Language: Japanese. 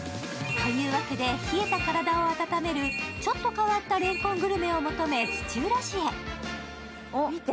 というわけで冷えた体を温める、ちょっと変わったレンコングルメを求め、土浦市へ。